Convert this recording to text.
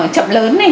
chậm lớn này